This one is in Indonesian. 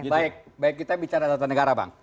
baik baik kita bicara tata negara bang